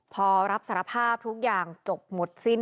พอรับสารภาพทุกอย่างจบหมดสิ้น